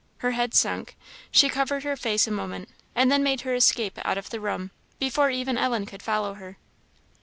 Her head sunk; she covered her face a moment, and then made her escape out of the room, before even Ellen could follow her.